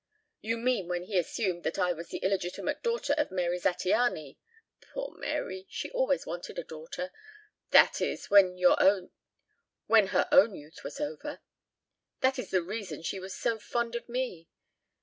..." "You mean when he assumed that I was the illegitimate daughter of Mary Zattiany. Poor Mary! She always wanted a daughter that is, when her own youth was over. That is the reason she was so fond of me.